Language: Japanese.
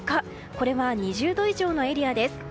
これは２０度以上のエリアです。